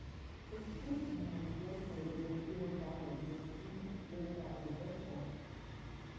Its transmitter was located in Deer Valley near Phoenix Deer Valley Airport.